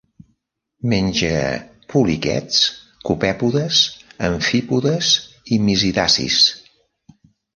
Menja poliquets, copèpodes, amfípodes i misidacis.